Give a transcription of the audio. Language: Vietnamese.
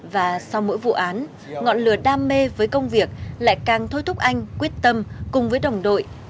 và sau mỗi vụ án ngọn lửa đam mê với công việc lại càng thôi thúc anh quyết tâm cùng với đồng đội